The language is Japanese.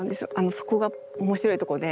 そこが面白いところで。